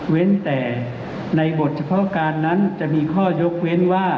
แต่ในบทเฉพาะการนั้นจะมีข้อยกเว้นว่า